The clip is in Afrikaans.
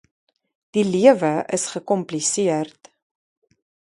Die lewe is gekompliseerd